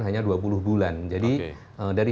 hanya dua puluh bulan jadi dari